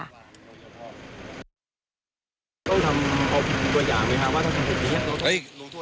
ต้องทำตัวอย่างไหมคะว่าต้องทำแบบนี้